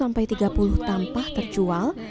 atau setara penghasilan sekitar dua ratus rupiah